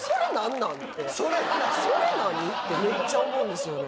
「それ何？」ってめっちゃ思うんですよね。